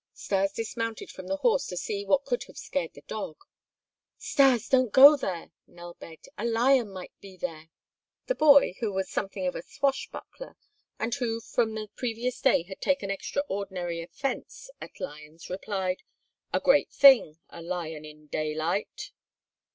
Stas dismounted from the horse to see what could have scared the dog. "Stas, don't go there," Nell begged; "a lion might be there." The boy, who was something of a swashbuckler and who from the previous day had taken extraordinary offense at lions, replied: "A great thing. A lion in daylight!"